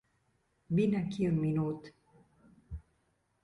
Vine aquí un minut.